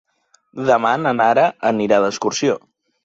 Demà na Nara anirà d'excursió.